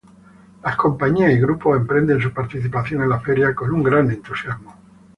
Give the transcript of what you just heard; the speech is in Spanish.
Las compañías y grupos emprenden su participación en la feria con un gran entusiasmo.